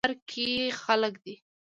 په بازار کې خلک دي